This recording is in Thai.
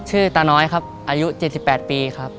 ตาน้อยครับอายุ๗๘ปีครับ